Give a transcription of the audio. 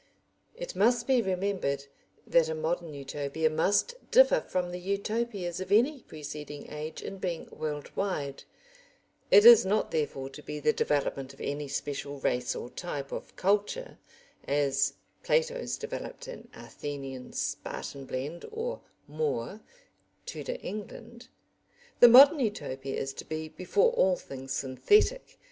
] It must be remembered that a modern Utopia must differ from the Utopias of any preceding age in being world wide; it is not, therefore, to be the development of any special race or type of culture, as Plato's developed an Athenian Spartan blend, or More, Tudor England. The modern Utopia is to be, before all things, synthetic.